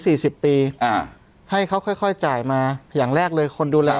สิบปีอ่าให้เขาค่อยค่อยจ่ายมาอย่างแรกเลยคนดูแล